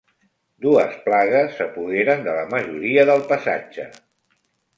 Dues plagues s'apoderen de la majoria del passatge.